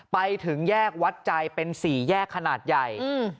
ไปถึงแยกวัดใจเป็นสี่แยกขนาดใหญ่